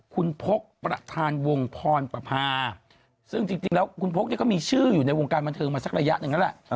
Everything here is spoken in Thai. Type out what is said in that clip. คุณพกประธานวงพรประพาซึ่งจริงแล้วคุณพกเนี่ยก็มีชื่ออยู่ในวงการบันเทิงมาสักระยะหนึ่งแล้วล่ะ